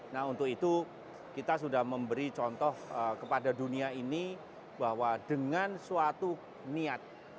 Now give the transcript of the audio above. nah untuk itu kita sudah memberi contoh kepada dunia ini bahwa dengan suatu niat